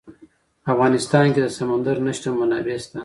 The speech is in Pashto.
په افغانستان کې د سمندر نه شتون منابع شته.